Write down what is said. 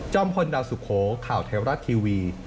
พลดาวสุโขข่าวเทวรัฐทีวี